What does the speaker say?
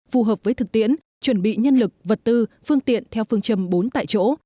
phù hợp với thực tiễn chuẩn bị nhân lực vật tư phương tiện theo phương châm bốn tại chỗ